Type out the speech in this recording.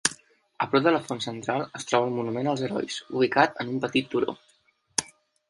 A prop de la font central es troba el Monument als Herois, ubicat en un petit turó.